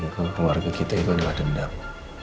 keluarga kita itu adalah dendam